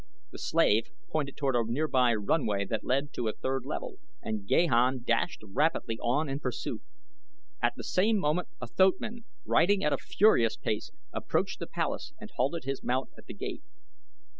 The slave pointed toward a nearby runway that led to the third level and Gahan dashed rapidly on in pursuit. At the same moment a thoatman, riding at a furious pace, approached the palace and halted his mount at the gate.